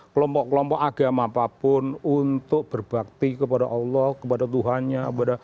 kelompok kelompok agama apapun untuk berbakti kepada allah kepada tuhannya